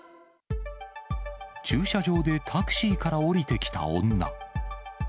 駐車場でタクシーから降りてきた女。